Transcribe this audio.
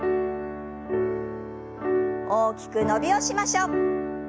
大きく伸びをしましょう。